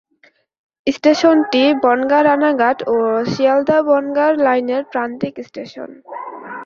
স্টেশনটি বনগাঁ-রানাঘাট ও শিয়ালদাহ-বনগাঁ লাইনের প্রান্তিক স্টেশন।